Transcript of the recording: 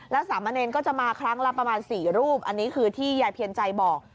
แล้วสามเณรก็จะมาครั้งละประมาณ๔รูปอันนี้คือที่ยายเพียรใจบอก